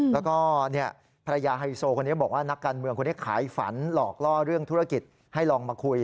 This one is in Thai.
แล้วก็ภรรยาไฮโซคนนี้บอกว่านักการเมืองคนนี้ขายฝันหลอกล่อเรื่องธุรกิจให้ลองมาคุย